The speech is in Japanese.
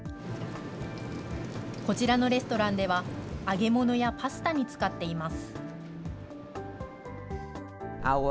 こちらのレストランでは、揚げ物やパスタに使っています。